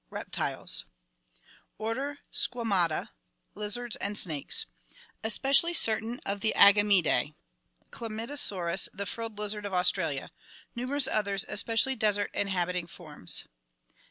Reptiles Order Squama ta. Lizards and snakes. Especially certain of the Agamidae. Chlamydosaurus, the frilled lizard of Australia. Numerous others, especially desert inhabiting forms.